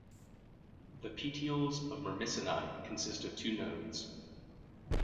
The petioles of Myrmicinae consist of two nodes.